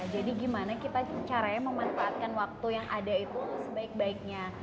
jadi gimana kita caranya memanfaatkan waktu yang ada itu sebaik baiknya